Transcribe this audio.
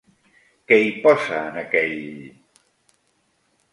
Què hi posa en aquell.?